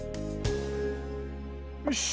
よし。